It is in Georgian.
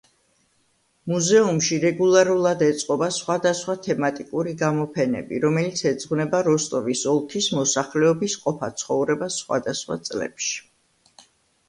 მუზეუმში რეგულარულად ეწყობა სხვადასხვა თემატიკური გამოფენები, რომელიც ეძღვნება როსტოვის ოლქის მოსახლეობის ყოფა-ცხოვრებას სხვადასხვა წლებში.